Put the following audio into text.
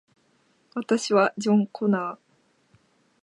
私はジョン・コナー